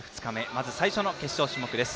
まず最初の決勝種目です。